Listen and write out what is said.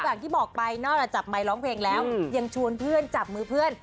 อย่างที่บอกไปนอกจากจับไมค์ร้องเพลงแล้วยังชวนเพื่อนจับมือเพื่อน